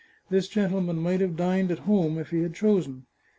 This gentleman might have dined at home if he had chosen.